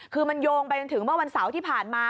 คือมันโยงไปถึงวันเสาร์ที่ผ่านมา